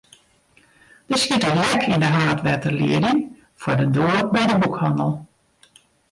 Der siet in lek yn de haadwetterlieding foar de doar by de boekhannel.